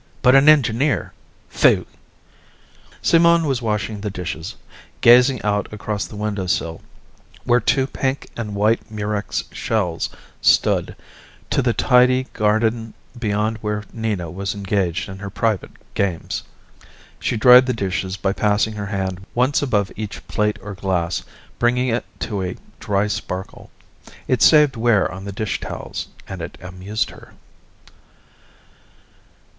But an engineer. Phui!" Simone was washing the dishes, gazing out across the windowsill where two pink and white Murex shells stood, to the tidy garden beyond where Nina was engaged in her private games. She dried the dishes by passing her hand once above each plate or glass, bringing it to a dry sparkle. It saved wear on the dishtowels, and it amused her.